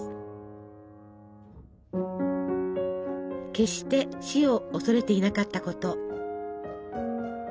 決して死を恐れていなかったこと。